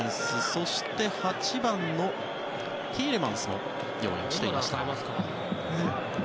そして、８番のティーレマンスが用意していました。